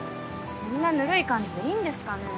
そんなぬるい感じでいいんですかね